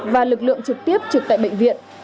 và lực lượng trực tiếp trực tại bệnh viện